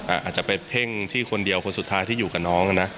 อาจจะไปเพ่งที่คนเดียวคนสุดท้ายที่อยู่กับน้องนะ